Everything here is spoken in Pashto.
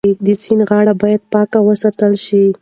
د سیند غاړې باید پاکې وساتل شي.